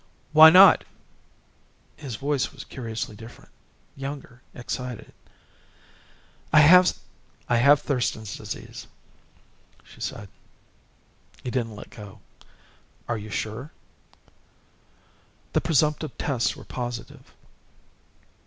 "Why not?" His voice was curiously different. Younger, excited. "I have Thurston's Disease," she said. He didn't let go. "Are you sure?" "The presumptive tests were positive."